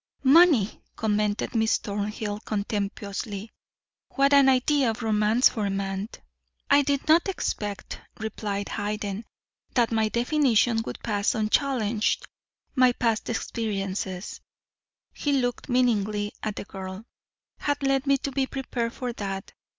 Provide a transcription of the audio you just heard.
"Money," commented Miss Thornhill contemptuously. "What an idea of romance for a man." "I did not expect," replied Hayden, "that my definition would pass unchallenged. My past experiences " he looked meaningly at the girl "had led me to be prepared for that.